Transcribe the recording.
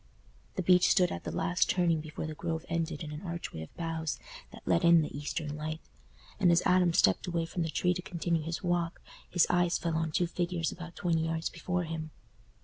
The beech stood at the last turning before the Grove ended in an archway of boughs that let in the eastern light; and as Adam stepped away from the tree to continue his walk, his eyes fell on two figures about twenty yards before him.